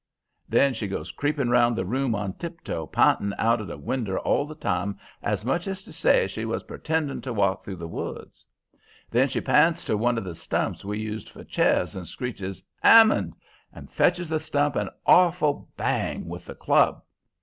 Then she goes creeping round the room on tiptoe, p'inting out of the winder all the time as much as to say she was pertending to walk through the woods. Then she p'ints to one of the stumps we used for chairs and screeches 'AMMOND!' and fetches the stump an awful bang with the club.